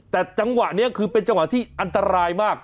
แต่จังหวะนี้คือเป็นจังหวะที่อันตรายมาก